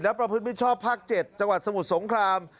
และประพฤติมิชชอบภาค๗จังหวัดสมุทรสงคราม